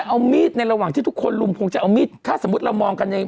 เอามีดในระหว่างที่ทุกคนลุมคงจะเอามีดถ้าสมมุติเรามองกันใน